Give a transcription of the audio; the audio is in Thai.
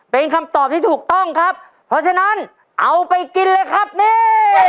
เป็นคำตอบที่ถูกต้องครับเพราะฉะนั้นเอาไปกินเลยครับนี่